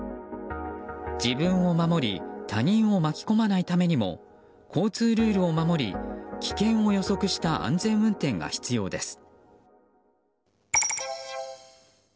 自分を守り他人を巻き込まないためにも交通ルールを守り危険を予測した安全運転が必要です。